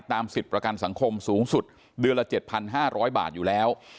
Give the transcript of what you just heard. สิทธิ์ประกันสังคมสูงสุดเดือนละ๗๕๐๐บาทอยู่แล้ว